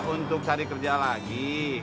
untuk cari kerja lagi